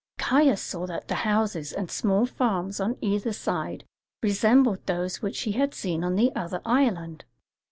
Caius saw that the houses and small farms on either side resembled those which he had seen on the other island.